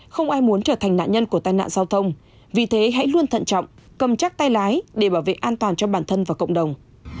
không ai muốn trở thành nạn nhân của tai nạn giao thông vì thế hãy luôn thận trọng cầm chắc tay lái để bảo vệ an toàn cho bản thân và cộng đồng